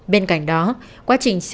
bên cạnh đó quá trình trả lời